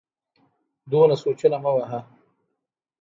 دومره سوچونه مه وهه